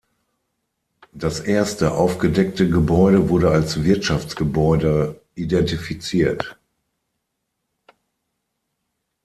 Das erste aufgedeckte Gebäude wurde als Wirtschaftsgebäude identifiziert.